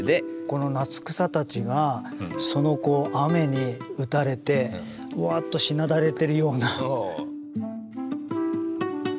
この夏草たちがその雨に打たれてわっとしなだれてるような。